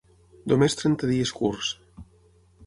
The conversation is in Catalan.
Només trenta dies curts.